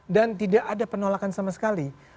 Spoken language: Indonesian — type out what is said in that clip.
dan tidak ada penolakan sama sekali